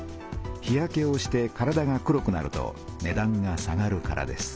日焼けをして体が黒くなるとねだんが下がるからです。